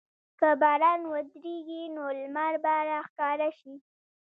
که باران ودریږي، نو لمر به راښکاره شي.